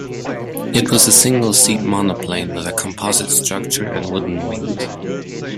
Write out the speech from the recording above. It was a single-seat monoplane with a composite structure and wooden wings.